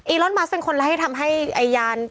อีรอนมัสเป็นคนละให้ทำให้ยาน